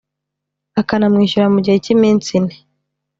akanamwishyura mu gihe cy iminsi ine